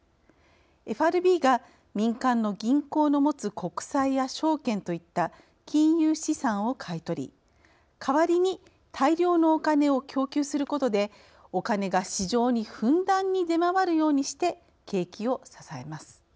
ＦＲＢが民間の銀行の持つ国債や証券といった金融資産を買い取り代わりに大量のおカネを供給することでおカネが市場にふんだんに出回るようにして景気を支えます。